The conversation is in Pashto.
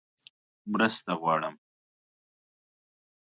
_مرسته غواړم!